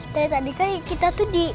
tadi tadi kita tuh di